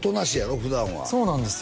普段はそうなんですよ